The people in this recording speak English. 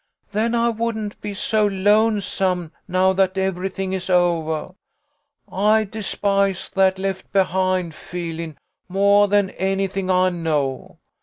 " Then I wouldn't be so lonesome now that every thing is ovah. I despise that ' left behind ' feelin' moah than anything I know.